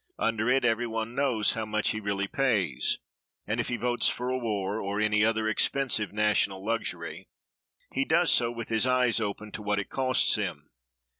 Under it every one knows how much he really pays; and, if he votes for a war, or any other expensive national luxury, he does so with his eyes open to what it costs him.